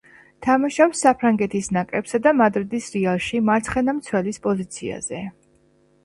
თამაშობს საფრანგეთის ნაკრებსა და მადრიდის „რეალში“ მარცხენა მცველის პოზიციაზე.